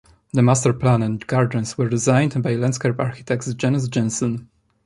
The master plan and gardens were designed by landscape architect Jens Jensen.